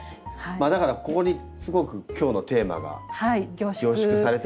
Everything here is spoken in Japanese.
だからここにすごく今日のテーマが凝縮されてますよね。